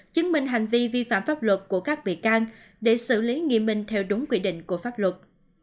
chứng minh hành vi vi phạm pháp luật của các bị can để xử lý nghiêm minh theo đúng quy định của pháp luật